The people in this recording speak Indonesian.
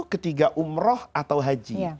ketiga umroh atau haji